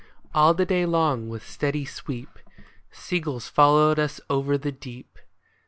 All the day long with steady sweep Seagulls followed us over the deep.